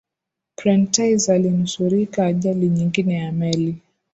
prentice alinusurika ajali nyingine ya meli